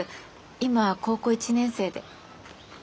今高校１年生で。